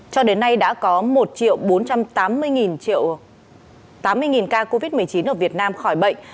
cho đến nay đã có một bốn trăm tám mươi ca covid một mươi chín ở việt nam khỏi bệnh